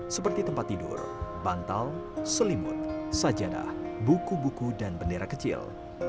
seperti tempat tidur bantal selimut sajadah buku buku dan bendera kecil